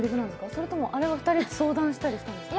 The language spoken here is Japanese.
それともあれは２人で相談したりしたんですか？